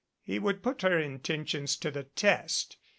He would put her intentions to the test.